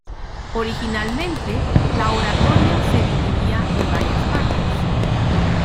Originalmente, la oratoria se dividía en varias partes.